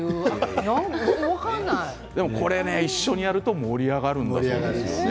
これが一緒にやると盛り上がるんだそうです。